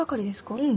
うん。